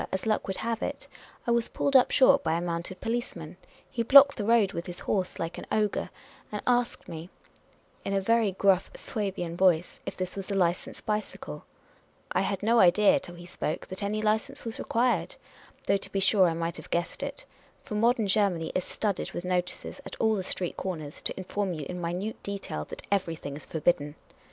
s luck would have it, I was pulled up short by a mounted policeman. He blocked the road with his horse, like an ogre, and asked me, in a I WAS PULLET) UP SHORT HY A MOUNTF.n roMCF.MAN. very gruff v'^wabian voice, if this was a licensed bicycle. I had no idea, till he spoke, that any license was required ; though to be sure I might have guessed it ; for modern Ger many is studded with notices at all the street corners, to in form you in minute detail that everything is forl)idden.